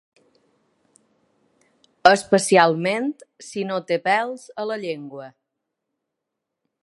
Especialment, si no té pèls a la llengua.